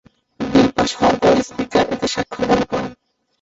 বিল pass হওয়ার পর speaker এতে স্বাক্ষর দান করেন।